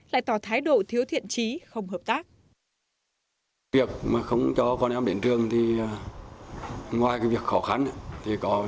lại tỏ thái độ thiếu thiện trí không hợp tác